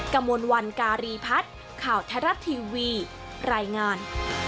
กระมวลวันการีพัฒน์ข่าวไทยรัฐทีวีรายงาน